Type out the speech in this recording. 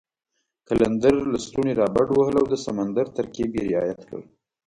قلندر لسټوني را بډ وهل او د سمندر ترکیب یې رعایت کړ.